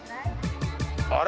あれ？